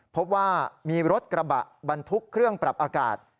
พบว่ามีรถกระบะบรรทุกเครื่องปรับอากาศ